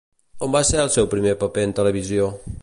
On va ser el seu primer paper en televisió?